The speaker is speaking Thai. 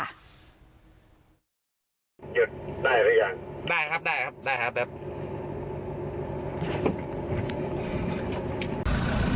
หยุดได้หรือยังได้ครับได้ครับได้ครับแบบ